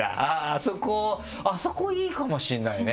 あそこあそこいいかもしれないね。